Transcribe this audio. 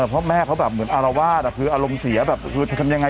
เพราะแม่เขาแบบเหมือนอารวาสคืออารมณ์เสียแบบคือจะทำยังไง